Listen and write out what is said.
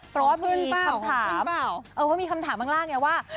เพราะว่ามีคำถามเออเพราะว่ามีคำถามข้างล่างนี้ว่า